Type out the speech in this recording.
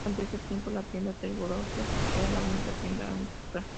Durante ese tiempo, la tienda The Broadway era la única tienda ancla.